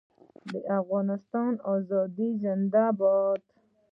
د افغانستان ازادي زنده باد.